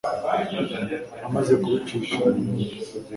umaze kubicisha inyota